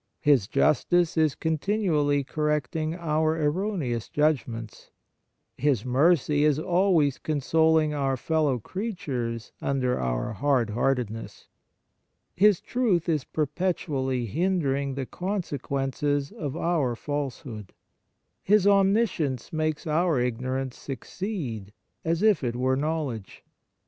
His justice is continually correcting our erroneous judgments. His mercy is always consoling our fellow creatures under our hard heartedness. His truth is perpetually hindering the consequences of our false hood. His omniscience makes our ignor ance succeed as if it were knowledge.